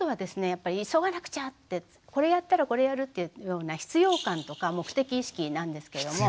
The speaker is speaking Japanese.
やっぱり「急がなくちゃ！」ってこれやったらこれやるっていうような必要感とか目的意識なんですけれども。